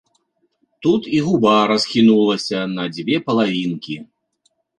Тут і губа расхінулася на дзве палавінкі.